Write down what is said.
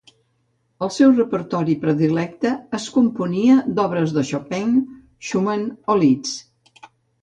El seu repertori predilecte es componia d'obres de Chopin, Schumann o Liszt.